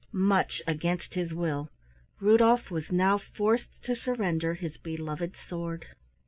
Much against his will, Rudolf was now forced to surrender his beloved sword.